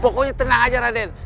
pokoknya tenang aja raden